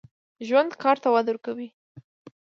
ژوندي کار ته وده ورکوي